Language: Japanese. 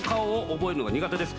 覚えるのが苦手です。